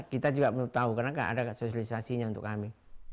kita juga belum tahu karena tidak ada sosialisasinya untuk kami